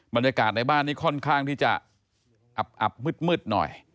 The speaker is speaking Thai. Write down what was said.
บรรยากาศในบ้านนี้ค่อนข้างที่จะอับมืดหน่อย